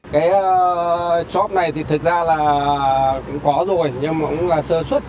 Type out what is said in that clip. cái chóp này thì thực ra là cũng có rồi nhưng mà cũng là sơ xuất